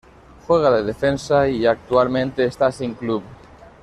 Juega de defensa y actualmente está sin club.